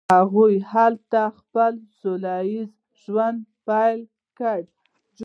هغوی هلته خپل سوله ایز ژوند پیل کړ.